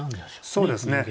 そうですね。